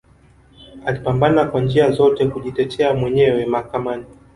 Alipambana kwa njia zote kujitetea mwenyewe mahakani